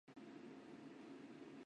在欧美堪称旅行指南的代称。